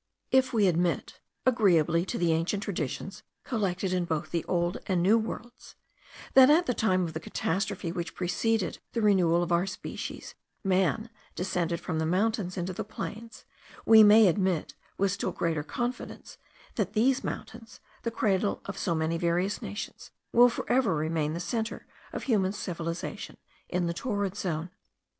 If we admit, agreeably to the ancient traditions collected in both the old and new worlds, that at the time of the catastrophe which preceded the renewal of our species, man descended from the mountains into the plains, we may admit, with still greater confidence, that these mountains, the cradle of so many various nations, will for ever remain the centre of human civilization in the torrid zone.